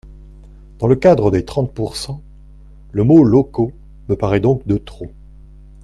Dans le cadre des trentepourcent, le mot « locaux » me paraît donc de trop.